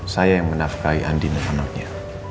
saya yang menafkai andi dan anaknya